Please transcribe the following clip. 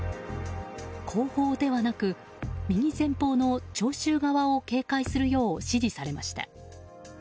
後方ではなく、右前方の聴衆側を警戒するよう指示されました。